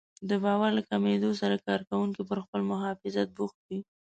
د باور له کمېدو سره کار کوونکي پر خپل محافظت بوخت وي.